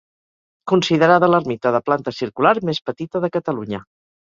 Considerada l'ermita de planta circular més petita de Catalunya.